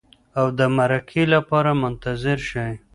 او د مرکې لپاره منتظر شئ.